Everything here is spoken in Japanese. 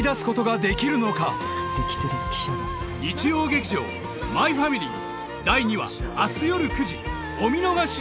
２人は日曜劇場「マイファミリー」